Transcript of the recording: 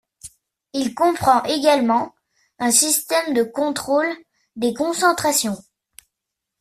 Il comprend également un système de contrôle des concentrations.